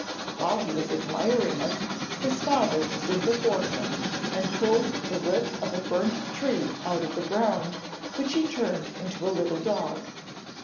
While he was admiring it, his father stood before him, and pulled the root of a burnt tree out of the ground, which he turned into a little dog.